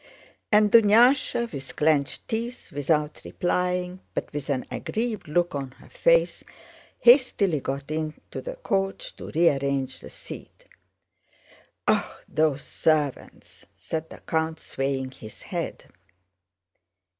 And Dunyásha, with clenched teeth, without replying but with an aggrieved look on her face, hastily got into the coach to rearrange the seat. "Oh, those servants!" said the count, swaying his head.